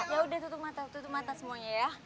yaudah tutup mata tutup mata semuanya ya